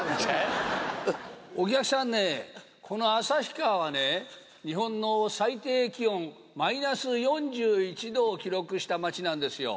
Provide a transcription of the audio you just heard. お客さんね、この旭川はね、日本の最低気温マイナス４１度を記録した町なんですよ。